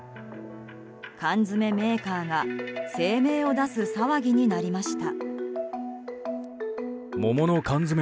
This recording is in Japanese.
缶詰メーカーが声明を出す騒ぎになりました。